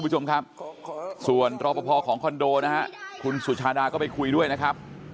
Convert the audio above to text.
ลูกบ้านลงมารับเองลูกบ้านจะมารับเองปกติขึ้นไปไม่ได้